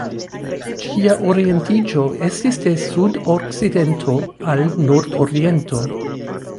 Ĝia orientiĝo estas de sudokcidento al nordoriento.